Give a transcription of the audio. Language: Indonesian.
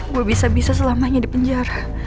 gue bisa bisa selamanya di penjara